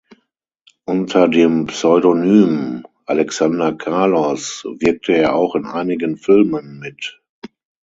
Unter dem Pseudonym "Alexander Carlos" wirkte er auch in einigen Filmen mit.